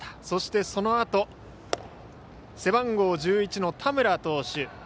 そして、そのあと背番号１１の田村投手